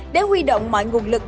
để huy động mọi nguồn lực